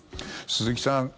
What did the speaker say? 鈴木さん